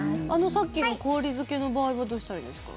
さっきの氷漬けの場合はどうしたらいいですか？